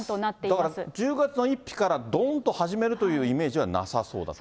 だから１０月の１日から、どんと始めるというイメージはなさそうだと。